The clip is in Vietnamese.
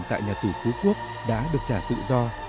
tại nhà tù phú quốc đã được trả tự do